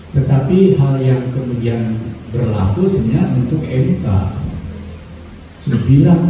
tetapi hal yang kemudian berlaku sebenarnya untuk mk sudah hilang